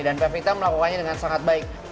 dan pevita melakukannya dengan sangat baik